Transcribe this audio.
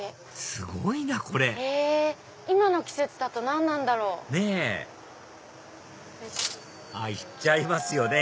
すごいなこれ今の季節だと何なんだろう？ねぇ行っちゃいますよね